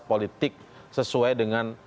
politik sesuai dengan